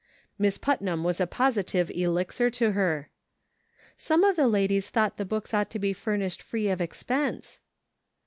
Miss Putnam was a positive elixir to her. " Some of the ladies thought the books ought to be furnished free of expense."